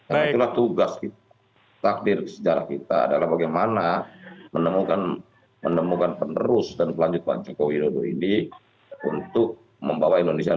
dan itulah tugas kita takdir sejarah kita adalah bagaimana menemukan penerus dan selanjut pak jokowi dodo ini untuk membawa indonesia